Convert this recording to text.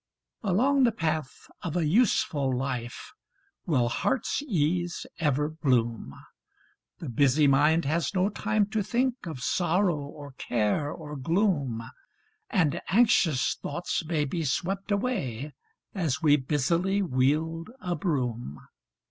Along the path of a useful life Will heart's ease ever bloom; The busy mind has no time to think Of sorrow, or care, or gloom; And anxious thoughts may be swept away As we busily wield a broom.